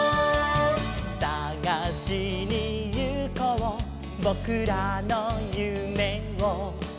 「さがしにゆこうぼくらのゆめを」